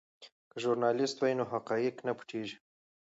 که ژورنالیست وي نو حقایق نه پټیږي.